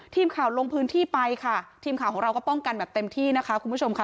ทีมข่าวลงพื้นที่ไปค่ะทีมข่าวของเราก็ป้องกันแบบเต็มที่นะคะคุณผู้ชมค่ะ